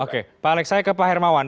oke pak alex saya ke pak hermawan